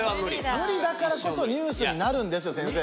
ムリだからこそニュースになるんですよ先生。